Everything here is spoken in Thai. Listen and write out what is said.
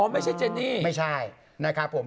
ไม่ใช่เจนี่